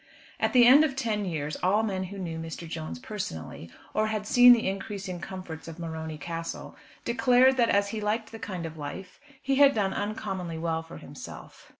At the end of ten years all men who knew Mr. Jones personally, or had seen the increasing comforts of Morony Castle, declared that, as he liked the kind of life, he had done uncommonly well for himself.